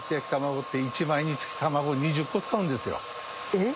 えっ？